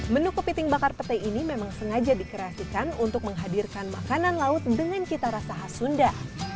menu kepiting bakar petai ini memang sengaja dikreasikan untuk menghadirkan makanan laut dengan citarasa hasunda